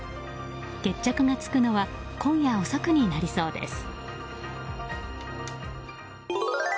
決着が着くのは今夜遅くになりそうです。